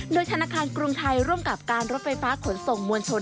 โดยธนาคารกรุงไทยร่วมกับการรถไฟฟ้าขนส่งมวลชน